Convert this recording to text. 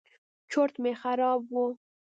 چورت مې خراب و.